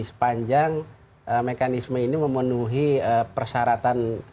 sepanjang mekanisme ini memenuhi persyaratan